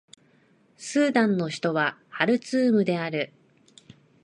スーダンの首都はハルツームである